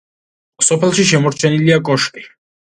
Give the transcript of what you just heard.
სოფელში შემორჩენილია კოშკი.